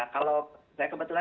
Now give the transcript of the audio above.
kalau saya kebetulan diperhatikan